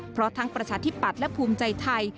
เพราะทั้งประชาธิปัตย์และภูมิใจไทย